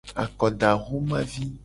Akodaxomavi.